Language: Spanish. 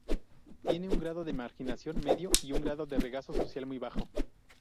Tiene un grado de marginación medio y un grado de rezago social muy bajo.